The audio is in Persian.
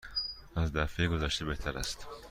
از دفعه گذشته بهتر است.